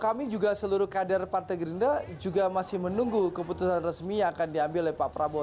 kami juga seluruh kader partai gerindra juga masih menunggu keputusan resmi yang akan diambil oleh pak prabowo